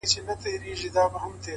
صبر د لوړو موخو ساتونکی دی!